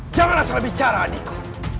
jangan asal bicara adikku